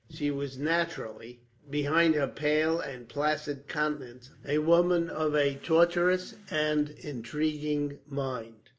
She was naturally, behind her pale and placid countenance, a woman of a tortuous and intriguing mind.